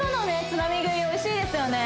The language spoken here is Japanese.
つまみ食いおいしいですよね